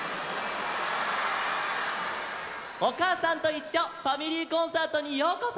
「おかあさんといっしょファミリーコンサート」にようこそ！